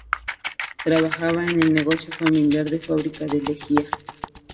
Trabajaba en el negocio familiar de fábrica de lejía.